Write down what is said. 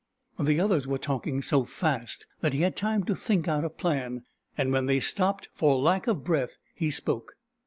The others were talking so fast that he had time to think out a plan, and when they stopped for lack of breath, he spoke.